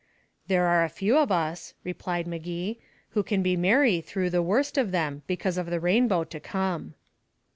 "There are a few of us," replied Magee, "who can be merry through the worst of them because of the rainbow to come."